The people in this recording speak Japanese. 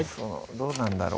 どうなんだろう？